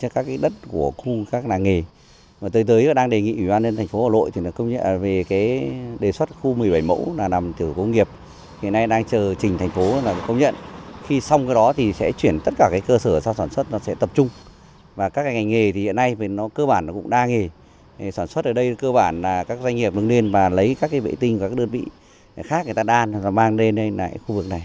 cơ bản là các doanh nghiệp đứng lên và lấy các bệ tinh và các đơn vị khác người ta đan và mang lên khu vực này